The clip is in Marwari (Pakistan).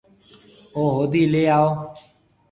او هودَي ليَ آئو۔